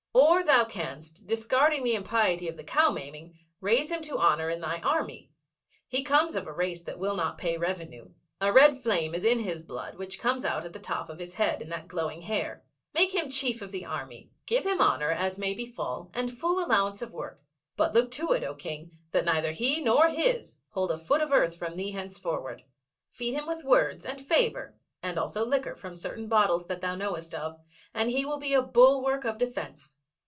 'Or thou canst, discarding the impiety of the cow maiming, raise him to honour in thy Army. He comes of a race that will not pay revenue. A red flame is in his blood which comes out at the top of his head in that glowing hair. Make him chief of the Army. Give him honour as may befall, and full allowance of work, but look to it, O King, that neither he nor his hold a foot of earth from thee henceforward. Feed him with words and favour, and also liquor from certain bottles that thou knowest of, and he will be a bulwark of defence.